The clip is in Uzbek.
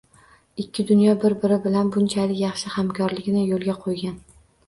Ikki dunyo bir biri bilan bunchalik yaxshi hamkorlikni yoʻlga qoʻygan?